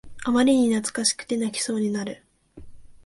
あまりに懐かしくて泣きそうになる